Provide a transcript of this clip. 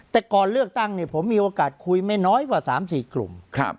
แต่ก่อนเลือกตั้งผมมีโอกาสคุยไม่น้อยกว่า๓๔กลุ่ม